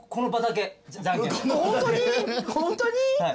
ホントに？